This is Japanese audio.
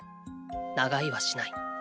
長居はしない。